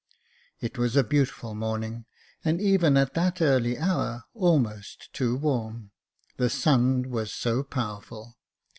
It was a beautiful morning, and even at that early hour almost too warm — the sun was so powerful.